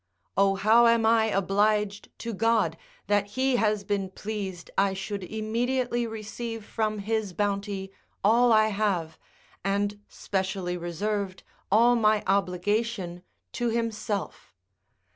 O how am I obliged to God, that he has been pleased I should immediately receive from his bounty all I have, and specially reserved all my obligation to himself.